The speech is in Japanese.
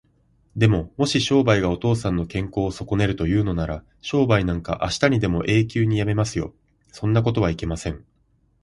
でも、もし商売がお父さんの健康をそこねるというのなら、商売なんかあしたにでも永久にやめますよ。そんなことはいけません。